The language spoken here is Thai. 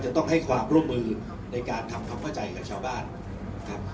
จะต้องให้ความร่วมมือในการทำความเข้าใจกับชาวบ้านครับ